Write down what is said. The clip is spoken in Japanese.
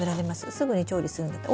すぐに調理するんだったら。